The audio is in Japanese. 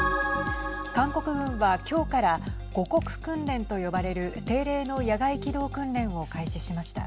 韓国軍は今日から護国訓練と呼ばれる定例の野外機動訓練を開始しました。